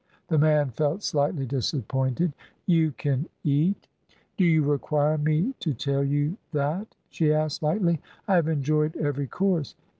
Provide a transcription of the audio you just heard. The man felt slightly disappointed. "You can eat?" "Do you require me to tell you that?" she asked lightly. "I have enjoyed every course.